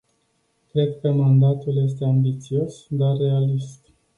Cred că mandatul este ambițios, dar realist.